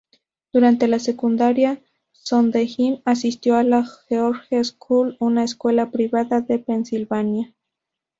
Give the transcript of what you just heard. Durante la secundaria, Sondheim asistió a la George School, una escuela privada de Pensilvania.